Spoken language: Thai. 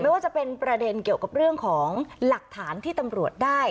ว่าจะเป็นประเด็นเกี่ยวกับเรื่องของหลักฐานที่ตำรวจได้